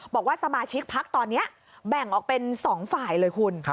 บอกว่าสมาชิกพักตอนนี้แบ่งออกเป็น๒ฝ่ายเลยคุณ